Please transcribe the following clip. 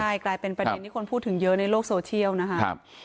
ใช่กลายเป็นประเด็นที่คนพูดถึงเยอะในโลกโซเชียลนะครับ